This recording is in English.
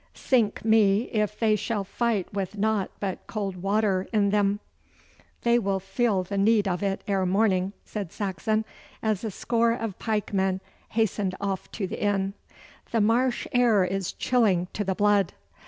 Sink me, if they shall fight with nought but cold water in them.' 'They will feel the need of it ere morning,' said Saxon, as a score of pikemen hastened off to the inn. 'The marsh air is chilling to the blood.